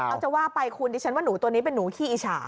เอาจะว่าไปคุณดิฉันว่าหนูตัวนี้เป็นหนูขี้อิจฉา